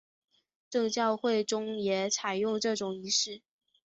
正教会中也采用这种仪式。